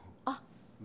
あっ。